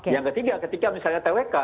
yang ketiga ketika misalnya twk